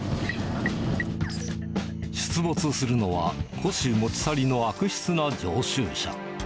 出没するのは、古紙持ち去りの悪質な常習者。